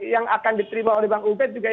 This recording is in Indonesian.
yang akan diterima oleh bang ubed juga